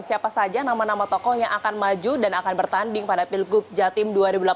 siapa saja nama nama tokoh yang akan maju dan akan bertanding pada pilgub jatim dua ribu delapan belas